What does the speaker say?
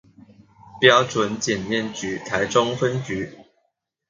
標準檢驗局臺中分局